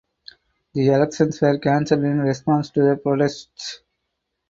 The elections were canceled in response to the protests.